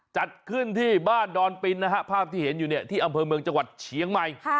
จัดขึ้นที่บ้านดอนปินนะฮะภาพที่เห็นอยู่เนี่ยที่อำเภอเมืองจังหวัดเชียงใหม่